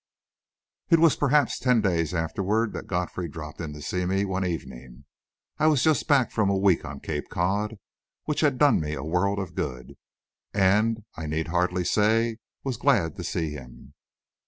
It was perhaps ten days afterwards that Godfrey dropped in to see me one evening. I was just back from a week on Cape Cod, which had done me a world of good; and, I need hardly say, was glad to see him.